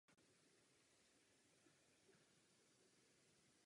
Je to zajištěno umělým oplodněním a přenosem embryí.